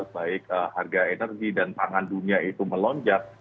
baik harga energi dan pangan dunia itu melonjak